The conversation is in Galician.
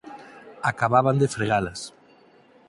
Acababan de fregalas.